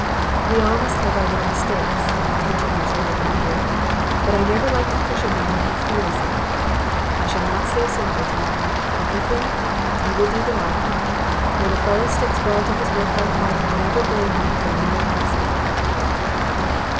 "We all must have our little mistakes," continued Sawyer Gundry; "but I never like to push a man when he feels it. I shall not say a syllable to Martin; and, Ephraim, you will do the like. When a fellow sticks well to his work like Martin, never blame him for a mere accident."